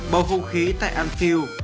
bầu không khí tại anfield